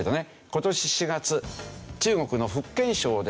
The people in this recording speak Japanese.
今年４月中国の福建省でですね